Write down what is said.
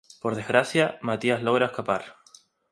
Por desgracia, Mathias logra escapar.